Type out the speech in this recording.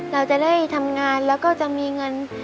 เราจะได้ทำงานแล้วก็จะมีเงิน